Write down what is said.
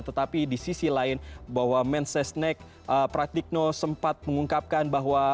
tetapi di sisi lain bahwa mensesnek pratikno sempat mengungkapkan bahwa